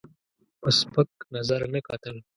په سپک نظر نه کتل.